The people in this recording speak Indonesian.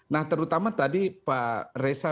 nah terutama tadi pak reza